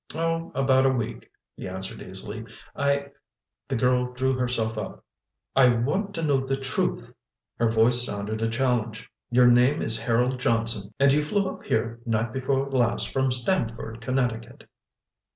"Oh, about a week," he answered easily. "I—" The girl drew herself up. "I want to know the truth!" Her voice sounded a challenge. "Your name is Harold Johnson, and you flew up here night before last from Stamford, Connecticut!"